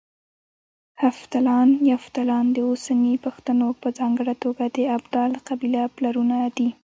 هفتلان، يفتالان د اوسني پښتنو په ځانګړه توګه د ابدال قبيله پلرونه دي